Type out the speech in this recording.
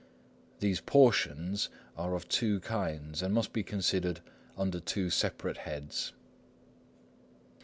These portions are of two kinds, and must be considered under two separate heads.